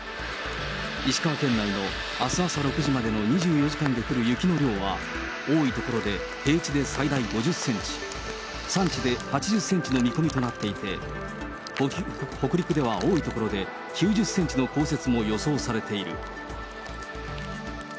石川県内のあす朝６時までの２４時間で降る雪の量は、多い所で平地で最大５０センチ、山地で８０センチの見込みとなっていて、北陸では多い所で９０センチの降雪も予想されている。